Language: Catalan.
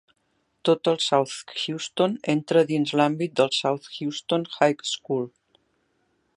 Tot el South Houston entra dins l'àmbit del South Houston High School.